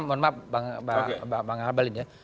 mohon maaf bang abel ini ya